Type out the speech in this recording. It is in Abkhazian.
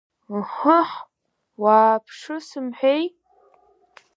Ыҳыҳ, уааԥшы сымҳәеи!